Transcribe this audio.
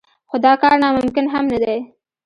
خو دا کار ناممکن هم نه دی.